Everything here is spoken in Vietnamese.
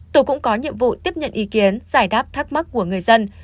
tổ cũng có nhiệm vụ tiếp nhận ý kiến giải đáp thắc mắc của người dân